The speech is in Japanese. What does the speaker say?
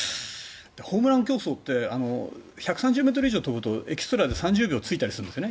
ホームラン競争って１３０ｍ以上飛ぶとエキストラで３０秒ついたりするんですね。